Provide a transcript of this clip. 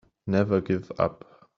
Never give up.